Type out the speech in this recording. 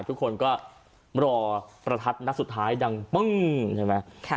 ทุกคนก็รอประทัดนัดสุดท้ายดังปึ้งใช่ไหม